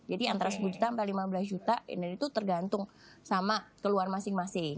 jadi antara sepuluh juta sampai lima belas juta ini tuh tergantung sama keluar masing masing